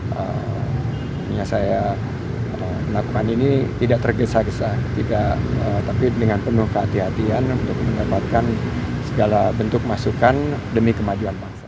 yang saya lakukan ini tidak tergesa gesa tidak tapi dengan penuh kehatian untuk mendapatkan segala bentuk masukan demi kemajuan bangsa